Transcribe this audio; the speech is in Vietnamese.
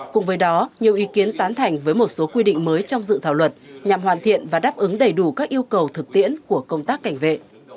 cùng với đó nhiều ý kiến tán thành với một số quy định mới trong dự thảo luật nhằm hoàn thiện và đáp ứng đầy đủ các yêu cầu thực tiễn của công tác cảnh vệ